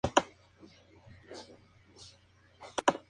The Neurosurgeon´s Handbook.Oxford University Press.